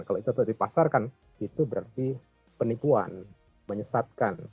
kalau itu tetap dipasarkan itu berarti penipuan menyesatkan